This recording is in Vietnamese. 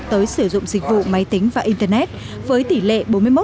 tới sử dụng dịch vụ máy tính và internet với tỷ lệ bốn mươi một